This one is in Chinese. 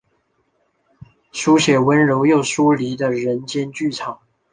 书写温柔又疏离的人间剧场。